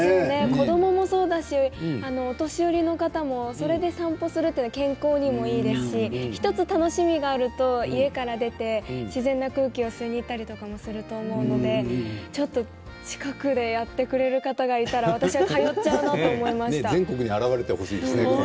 子どももそうだしお年寄りの方もそれで散歩するって健康にもいいですし１つお楽しみがあると家から出て自然な空気を吸いに行ったりすると思うので近くでやってくれる方がいたら私は通っちゃうなと思いました。